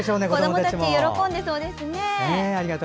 子どもたち喜んでそうです。